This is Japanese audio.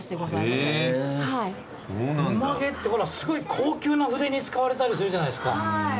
馬毛ってほらすごい高級な筆に使われたりするじゃないですか。